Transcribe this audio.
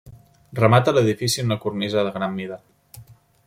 Remata l'edifici una cornisa de gran mida.